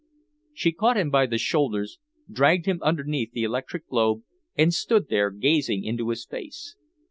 She caught him by the shoulders, dragged him underneath the electric globe, and stood there gazing into his face.